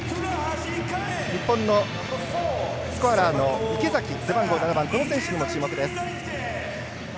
日本のスコアラーの池崎背番号７番、この人にも注目。